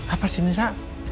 apa sih ini sa